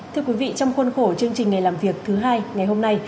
thưa quý vị trong khuôn khổ chương trình ngày làm việc thứ hai ngày hôm nay